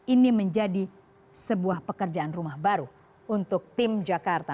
ini menjadi sebuah pekerjaan rumah baru untuk tim jakarta